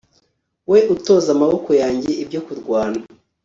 we utoza amaboko yanjye ibyo kurwana